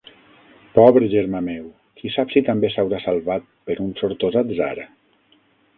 Pobre germà meu! Qui sap si també s’haurà salvat per un sortós atzar?